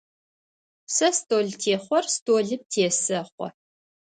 Сэ столтехъор столым тесэхъо.